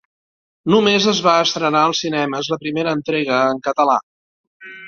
Només es va estrenar als cinemes la primera entrega en català.